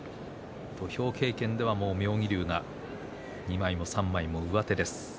土俵経験では妙義龍が２枚も３枚も上手です。